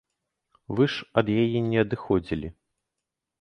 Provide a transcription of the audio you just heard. Вы ж ад яе не адыходзілі.